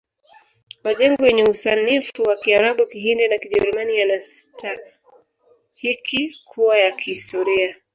Majengo yenye usanifu wa kiarabu kihindi na kijerumani yanastahiki kuwa ya kihistoria